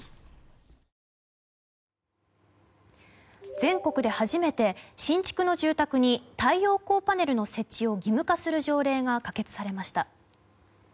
全国で初めて新築の住宅に太陽光パネルの設置を義務化する条例が可決されました。